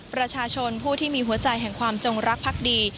ประชาชนผู้ที่มีหัวใจแห่งความจงรักพักดี